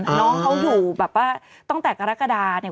น้องเขาอยู่แบบว่าตั้งแต่กรกฎาเนี่ย